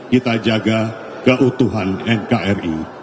kita jaga keutuhan nkri